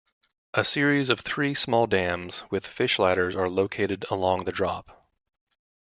A series of three small dams with fish ladders are located along the drop.